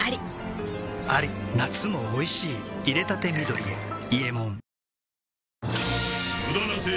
夏もおいしい淹れたて緑へ「伊右衛門」